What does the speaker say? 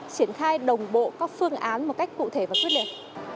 triển khai đồng bộ các phương án một cách cụ thể và quyết liệt